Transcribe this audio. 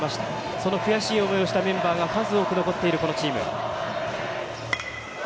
その悔しい思いをしたメンバーが数多く残っているこのチーム。